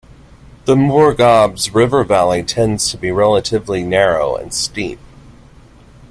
The Murghab's river valley tends to be relatively narrow and steep.